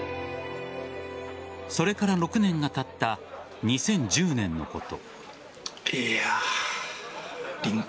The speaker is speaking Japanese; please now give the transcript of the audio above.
それから６年がたった２０１０年のこと。